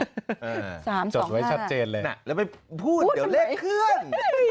๓๒๕นะแล้วไปพูดเดี๋ยวเลขเคลื่อนจดไว้ชัดเจนเลย